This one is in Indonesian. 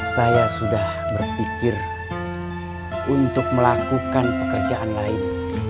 saya sudah berpikir untuk melakukan pekerjaan lain